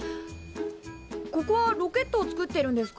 ここはロケットを作ってるんですか？